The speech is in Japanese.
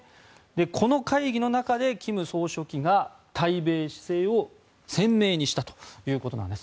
この会議の中で金総書記が対米姿勢を鮮明にしたということです。